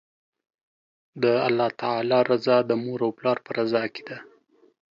د الله تعالی رضا، د مور او پلار په رضا کی ده